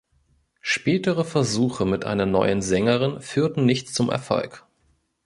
Spätere Versuche mit einer neuen Sängerin führten nicht zum Erfolg.